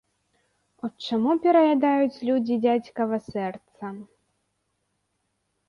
От чаму пераядаюць людзі дзядзькава сэрца.